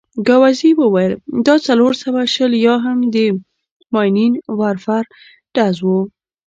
ګاووزي وویل: دا څلور سوه شل یا هم د ماينين ورفر ډز وو.